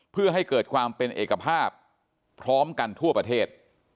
เพื่อให้เกิดความเป็นเอกภาพพร้อมกันทั่วประเทศ